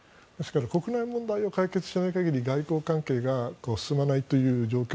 国内問題を解決しない限り外交関係が進まないという状況